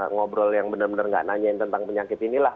ngobrol yang bener bener gak nanyain tentang penyakit inilah